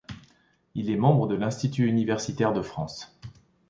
Il est membre de l’Institut universitaire de France.